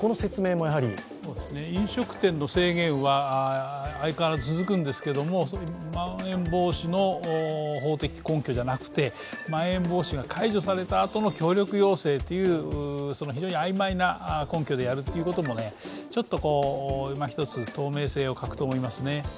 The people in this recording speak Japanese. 飲食店の制限は相変わらず続くんですけどまん延防止の法的根拠じゃなくて、まん延防止が解除されたあとの協力要請という、非常に曖昧な根拠でやるというのもちょっと１つ、透明性を欠くと思いますね。